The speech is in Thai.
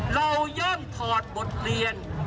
ย่อมถอดบทเรียน